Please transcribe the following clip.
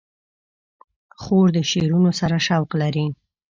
خور د شعرونو سره شوق لري.